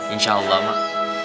insya allah mak